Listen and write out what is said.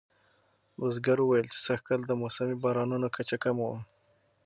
بزګر وویل چې سږکال د موسمي بارانونو کچه کمه وه.